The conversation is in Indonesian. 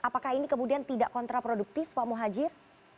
apakah ini kemudian tidak kontraproduktif pak muhajir